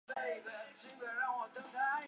回国后任邮传部员外郎。